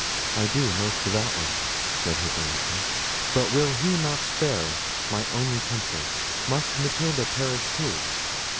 "I do most devoutly," said Hippolita; "but will He not spare my only comfort? must Matilda perish too?